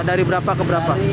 dari berapa ke berapa